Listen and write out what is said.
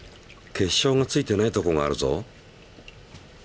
結晶がついてないとこがあるぞ。